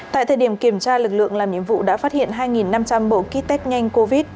tại thời điểm kiểm tra lực lượng làm nhiệm vụ đã phát hiện hai năm trăm linh bộ kit test nhanh covid